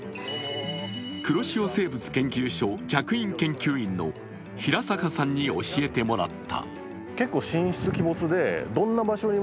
黒潮生物研究所客員研究員の平坂さんに教えてもらった。